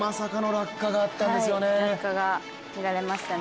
落下が見られましたね。